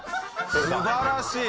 素晴らしい！